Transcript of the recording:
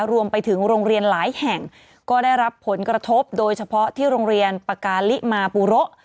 รวมไปถึงโรงเรียนหลายแห่งก็ได้รับผลกระทบโดยเฉพาะที่โรงเรียนปากกาลิมาปูระ